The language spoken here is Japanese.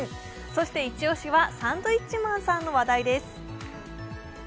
そして、イチ押しはサンドウィッチマンさんの話題です。